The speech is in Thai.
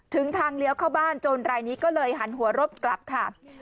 ถึงทางเลี้ยวเข้าบ้านโจรรายนี้ก็เลยหันหัวรบกลับค่ะ